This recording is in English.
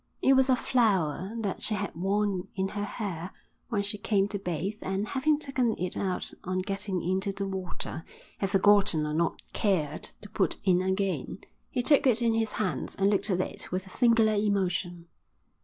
It was a flower that she had worn in her hair when she came to bathe and, having taken it out on getting into the water, had forgotten or not cared to put in again. He took it in his hands and looked at it with a singular emotion.